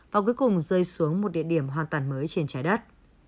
và cuối cùng rơi xuống một địa điểm hoàn toàn mới trên trái đất